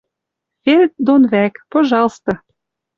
«Фельд» дон вӓк — пожалсты!